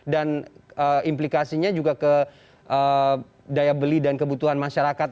dan implikasinya juga ke daya beli dan kebutuhan masyarakat